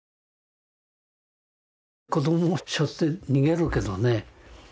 子どもをしょって逃げるけどね